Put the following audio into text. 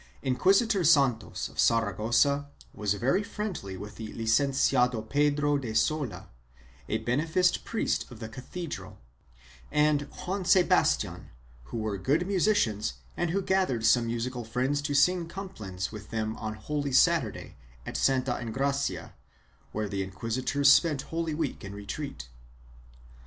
Inquisitor Santos of Saragossa was very friendly with the Licen ciado Pedro de Sola, a beneficed priest of the cathedral, and Juan Sebastian, who were good musicians and who gathered some musical friends to sing complins with them on Holy Saturday at Santa Engracia, where the inquisitors spent Holy Week in retreat.